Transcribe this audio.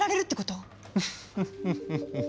ウフフフフ。